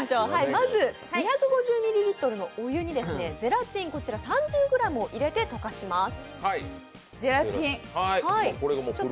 まず２５０ミリリットルのお湯にゼラチン３０ｇを入れて溶かします。